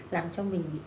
làm cho mình không có thể